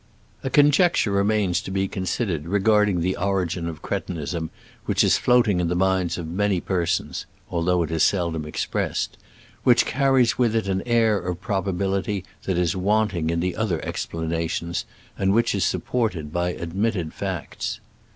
A conjecture remains to be considered regarding the origin of cretinism which is floating in the minds of many persons (although it is seldom expressed), which carries with it an air of probability that is wanting in the other explanations, and which is supported by admitted facts.